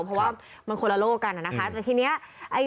เพราะว่ามันคนละโลกกันอะนะคะ